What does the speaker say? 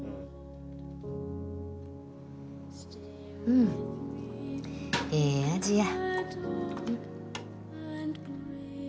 うんええ味や。